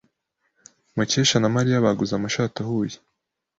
Mukesha na Mariya baguze amashati ahuye.